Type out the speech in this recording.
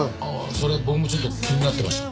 それ僕もちょっと気になってました。